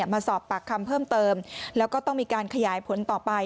มาสอบปากคำเพิ่มเติมแล้วก็ต้องมีการขยายผลต่อไป